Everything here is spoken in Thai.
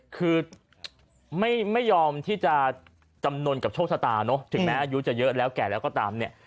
คือไม่ยอมที่จะจำนวนกับโชคชะตาเนอะถึงแม้อายุจะเยอะแล้วแก่แล้วก็ตามเนี่ย